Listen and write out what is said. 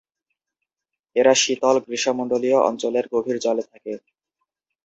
এরা শীতল, গ্রীষ্মমন্ডলীয় অঞ্চলের গভীর জলে থাকে।